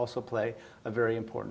memiliki peran yang penting